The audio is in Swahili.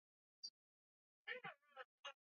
na na uchumi na hali ya wananchi wa eneo hile